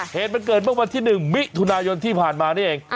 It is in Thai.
เหตุมันเกิดเมื่อวันที่๑มิถุนายนที่ผ่านมานี่เอง